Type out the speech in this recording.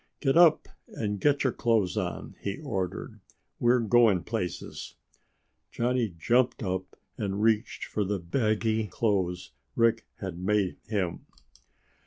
"Get up and get your clothes on," he ordered. "We're going places." Johnny jumped up and reached for the baggy clothes Rick had made him.